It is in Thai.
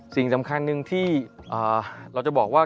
สิ่งสำคัญหนึ่งที่เราจะบอกว่า